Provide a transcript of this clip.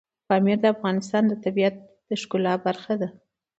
پامیر د افغانستان د طبیعت د ښکلا برخه ده.